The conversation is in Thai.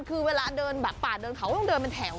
คือเวลาเดินแบบป่าเดินเขาต้องเดินเป็นแถว